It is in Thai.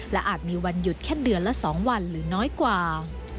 อาจมีวันหยุดแค่เดือนละ๒วันหรือน้อยกว่า